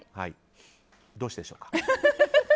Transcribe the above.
どうしてでしょう？